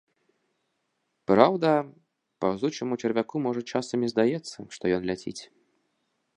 Праўда, паўзучаму чарвяку можа часам і здаецца, што ён ляціць.